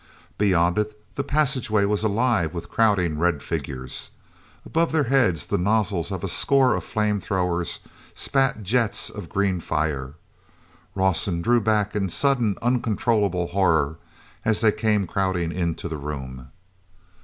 Beyond it the passageway was alive with crowding red figures. Above their heads the nozzles of a score of flame throwers spat jets of green fire. Rawson drew back in sudden uncontrollable horror as they came crowding into the room.